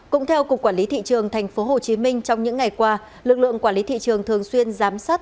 cũng theo cục quản lý thị trường tp hcm trong những ngày qua lực lượng quản lý thị trường thường xuyên giám sát